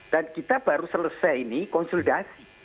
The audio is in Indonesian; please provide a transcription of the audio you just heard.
dan kita baru selesai ini konsultasi